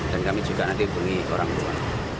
dan kami juga nanti beri ke orang tua